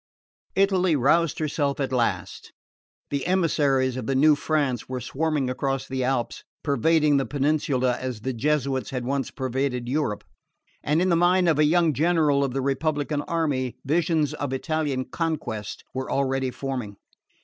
Italy roused herself at last. The emissaries of the new France were swarming across the Alps, pervading the peninsula as the Jesuits had once pervaded Europe; and in the mind of a young general of the republican army visions of Italian conquest were already forming.